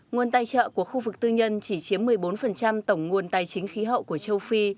nguồn tài trợ của khu vực tư nhân chỉ chiếm một mươi bốn tổng nguồn tài chính khí hậu của châu phi